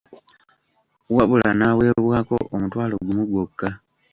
Wabula n'aweebwako omutwalo gumu gwokka.